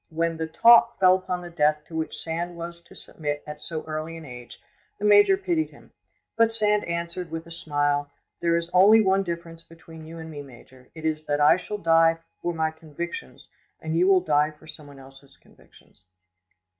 When the talk fell upon the death to which Sand was to submit at so early an age, the major pitied him; but Sand answered, with a smile, "There is only one difference between you and me, major; it is that I shall die far my convictions, and you will die for someone else's convictions."